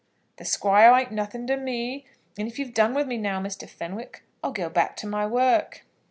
"The Squire ain't nothing to me, and if you've done with me now, Mr. Fenwick, I'll go back to my work."